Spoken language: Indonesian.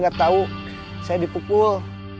gak tau saya dipukul